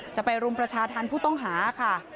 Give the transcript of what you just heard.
จะไปรุมประชาธรรมผู้ต้องหาค่ะ